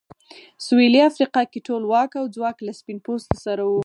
سوېلي افریقا کې ټول واک او ځواک له سپین پوستو سره و.